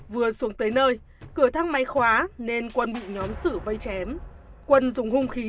vừa xuống tới nơi cửa thang máy khóa nên quân bị nhóm sử vây chém quân dùng hung khí